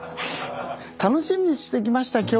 楽しみにしてきました